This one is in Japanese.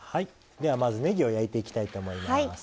ではまずねぎを焼いていきたいと思います。